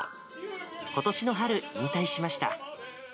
ことしの春、引退しました。